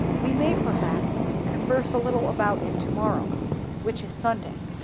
We may perhaps converse a little about it to morrow, which is Sunday.